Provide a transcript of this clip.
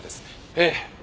ええ。